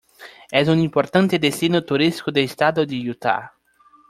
Es un importante destino turístico del estado de Utah.